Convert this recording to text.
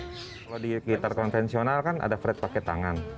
kalau di gitar konvensional kan ada fret pake tangan